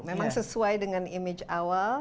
memang sesuai dengan image awal